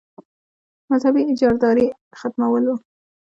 مذهبي اجاراداري ختمول وو.